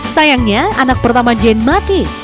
sayangnya anak pertama jane mati